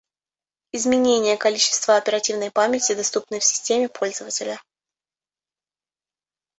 Изменение количество оперативной памяти, доступной в системе пользователя